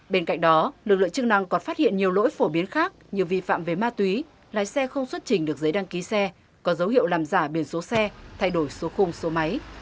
bên cạnh đó lực lượng chức năng còn phát hiện nhiều lỗi phổ biến khác như vi phạm về ma túy lái xe không xuất trình được giấy đăng ký xe có dấu hiệu làm giả biển số xe thay đổi số khung số máy